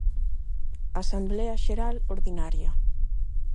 Asemblea xeral ordinaria.